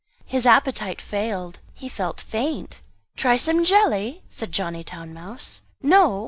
His appetite failed, he felt faint. "Try some jelly?" said Johnny Town mouse. "No?